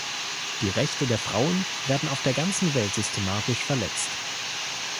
Die Rechte der Frauen werden auf der ganzen Welt systematisch verletzt.